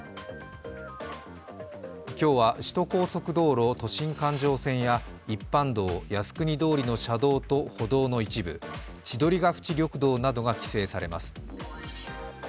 今日は首都高速道路・都心環状線や一般道、靖国通りの車道と歩道の一部、千鳥ケ淵緑道などが規制されます。